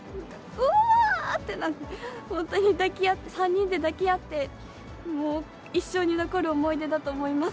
うわーってなって、３人で抱き合って、もう一生に残る思い出だと思います。